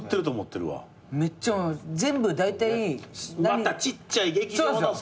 またちっちゃい劇場のさ。